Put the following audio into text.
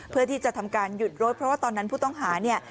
เพื่อที่จะทำการหยุดรถเพราะว่าตอนนั้นผู้ต้องหาเนี่ย